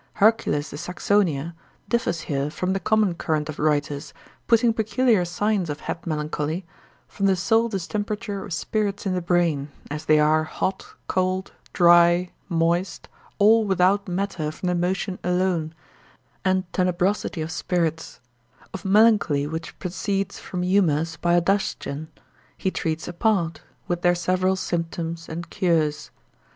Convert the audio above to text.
Hercules de Saxonia differs here from the common current of writers, putting peculiar signs of head melancholy, from the sole distemperature of spirits in the brain, as they are hot, cold, dry, moist, all without matter from the motion alone, and tenebrosity of spirits; of melancholy which proceeds from humours by adustion, he treats apart, with their several symptoms and cures.